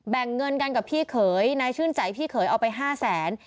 แบ่งเงินกันกับพี่เขยนายชื่นใจพี่เขยเอาไปห้าแสน